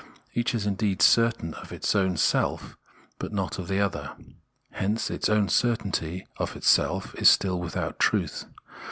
Each is indeed certain of its own self, but not of the other, and hence its own certainty of itself is still without truth.